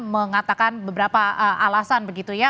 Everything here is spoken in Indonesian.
mengatakan beberapa alasan begitu ya